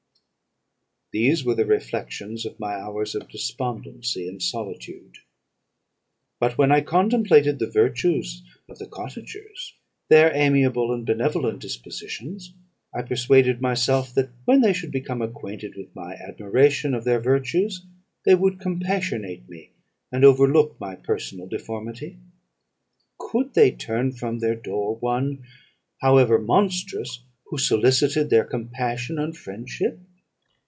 "These were the reflections of my hours of despondency and solitude; but when I contemplated the virtues of the cottagers, their amiable and benevolent dispositions, I persuaded myself that when they should become acquainted with my admiration of their virtues, they would compassionate me, and overlook my personal deformity. Could they turn from their door one, however monstrous, who solicited their compassion and friendship?